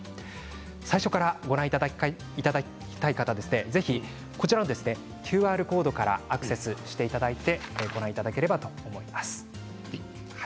最初からご覧いただきたい方はＱＲコードからアクセスしていただいてご覧いただければと思います。